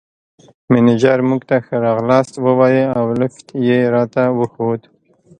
مېنېجر موږ ته ښه راغلاست ووایه او لېفټ یې راته وښود.